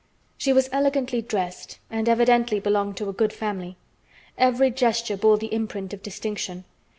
She was elegantly dressed and evidently belonged to a good family. Every gesture bore the imprint of distinction.